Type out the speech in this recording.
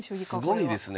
すごいですね。